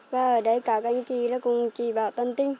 và ở đây cả các anh chị là cũng chỉ bảo tin